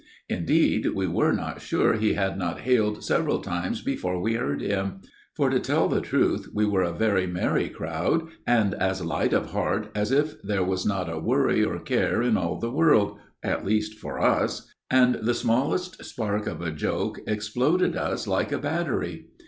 Indeed, we were not sure he had not hailed several times before we heard him; for, to tell the truth, we were a very merry crowd, and as light of heart as if there was not a worry or care in all the world, at least for us, and the smallest spark of a joke exploded us like a battery.